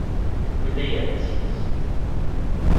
Tewwi-d agerdas-nnes.